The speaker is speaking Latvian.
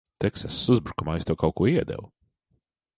Teksasas uzbrukumā es tev kaut ko iedevu.